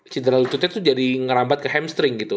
cedera lututnya tuh jadi ngerabat ke hamstring gitu